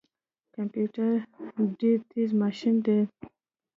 کمپيوټر ډیر تیز ماشین دی